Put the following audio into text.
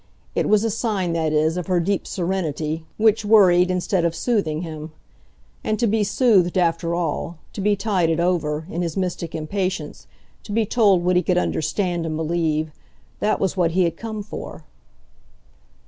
It was a sign, that is, of her deep serenity, which worried instead of soothing him. And to be soothed, after all, to be tided over, in his mystic impatience, to be told what he could understand and believe that was what he had come for.